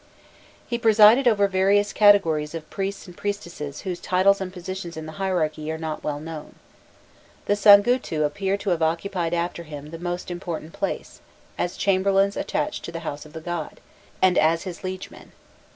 He presided over various categories of priests and priestesses whose titles and positions in the hierarchy are not well known. The "sangutu" appear to have occupied after him the most important place, as chamberlains attached to the house of the god, and as his liegemen.